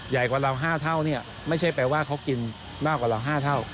ใหญ่กว่าเรา๕เท่าเนี่ยไม่ใช่แปลว่าเขากินมากกว่าเรา๕เท่า